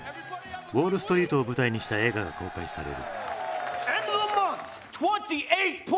ウォールストリートを舞台にした映画が公開される。